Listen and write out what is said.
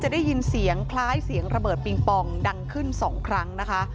ได้ยินเสียงคล้ายเสียงระเบิดปิงปองดังขึ้น๒ครั้งนะคะ